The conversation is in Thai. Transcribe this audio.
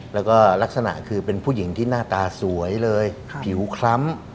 แล้วก็ลักษณะคือเป็นผู้หญิงที่หน้าตาสวยเลยผิวคล้ำ